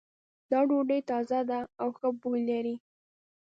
دا ډوډۍ تازه ده او ښه بوی لری